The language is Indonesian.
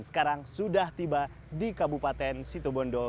setelah tiba di kabupaten sitobondo